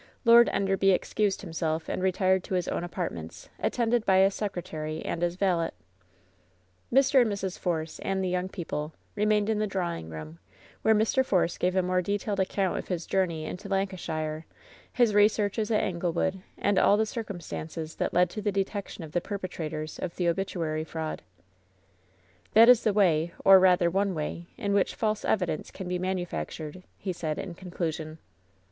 Lord Enderby excused him self, and retired to his own apartments, attended by his secretary and his valet. Mr. and Mrs. Force, and the young people, remained in the drawing room, where Mr. Force gave a more detailed account of his journey into Lancashire, his re searches at Anglewood, and all the circumstances that led to the detection of the perpetrators of the obituary fraud. LOVE'S BITTEREST CUP 253 "That is the way — or, rather, one way — in which false evidence can be manufactured,'^ he said, in con clusion.